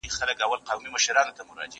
زه کولای سم کتابتون ته راشم!!